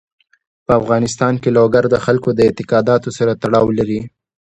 په افغانستان کې لوگر د خلکو د اعتقاداتو سره تړاو لري.